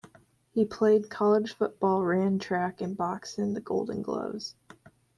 He played college football, ran track and boxed in the Golden Gloves.